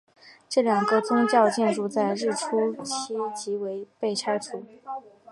这两个宗教建筑在日治初期即被拆除。